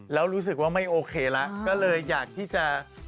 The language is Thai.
แล้วรู้สึกว่าไม่โอเคแล้วก็เลยอยากที่จะ